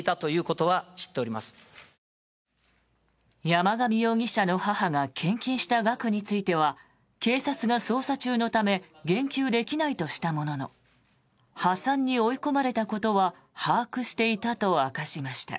山上容疑者の母が献金した額については警察が捜査中のため言及できないとしたものの破産に追い込まれたことは把握していたと明かしました。